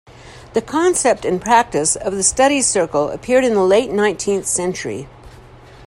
The concept and practice of the study circle appeared in the late nineteenth century.